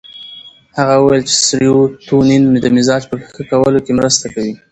هغه وویل چې سیروتونین د مزاج په ښه کولو کې مرسته کوي.